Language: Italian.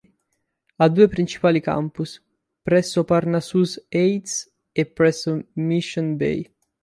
Ha due principali campus, presso Parnassus Heights e presso Mission Bay.